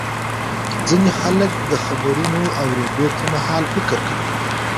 ځینې خلک د خبرونو اورېدو پر مهال فکر کوي.